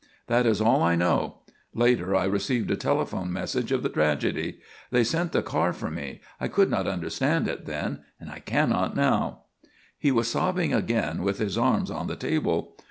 That is all I know. Later I received a telephone message of the tragedy. They sent the car for me. I could not understand it then; I cannot now." He was sobbing again with his arms on the table.